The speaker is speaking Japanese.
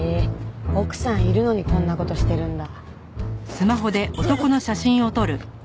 奥さんいるのにこんな事してるんだ。